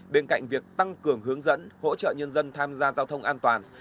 bên cạnh việc tăng cường hướng dẫn hỗ trợ nhân dân tham gia giao thông an toàn